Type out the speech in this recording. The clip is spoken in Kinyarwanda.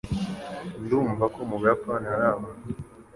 Ndumva ko mubuyapani hari abantu